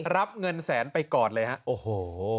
รับเงินแสนไปก่อนเลยฮะโอ้โห